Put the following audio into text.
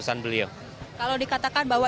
sampai jumpa di jamahnya